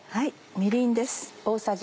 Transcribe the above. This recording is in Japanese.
みりんです。